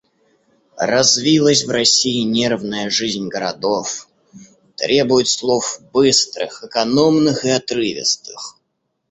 Развилась в России нервная жизнь городов, требует слов быстрых, экономных и отрывистых.